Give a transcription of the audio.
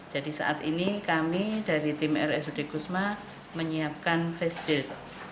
jadi saat ini kami dari tim rsud kusma menyiapkan face shield